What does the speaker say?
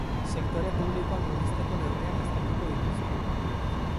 Sektore publikoa murrizteko neurriak aztertuko dituzte.